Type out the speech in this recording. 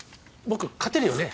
僕勝てるよね？